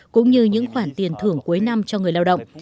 cũng như những khoản tiền thưởng cuối năm cho người lao động